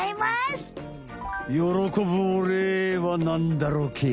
よろこぶお礼はなんだろけ？